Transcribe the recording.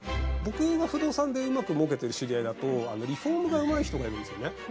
僕の不動産でうまくもうけてる知り合いだとリフォームがうまい人がいるんですよね。